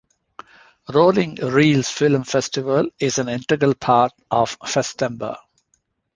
Rolling Reels Film Festival is an integral part of Festember.